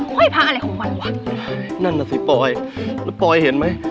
ค่อยพักอะไรของวันหวะนั่นแหละสิปลอยแล้วปลอยเห็นไหม